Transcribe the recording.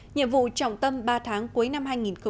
nhiệm vụ trọng tâm ba tháng cuối năm hai nghìn một mươi sáu